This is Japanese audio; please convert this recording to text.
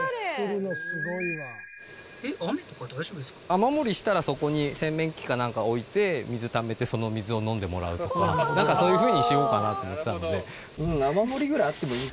雨漏りしたらそこに洗面器かなんか置いて水ためてその水を飲んでもらうとかそういうふうにしようかなと思ってたので。